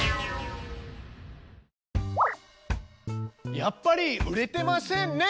やっぱり売れてませんね。